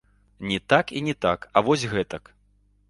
Не так і не так, а вось гэтак.